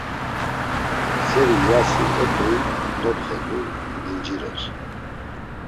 Seri iyasi epeyi dopxedur, vincirer.